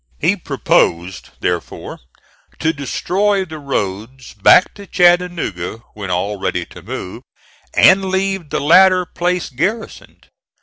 He proposed, therefore, to destroy the roads back to Chattanooga, when all ready to move, and leave the latter place garrisoned.